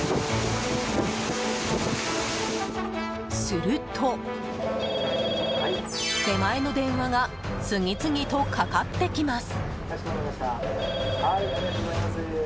すると、出前の電話が次々とかかってきます。